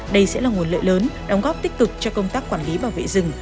đây sẽ là nguồn lợi lớn đóng góp tích cực cho công tác quản lý bảo vệ rừng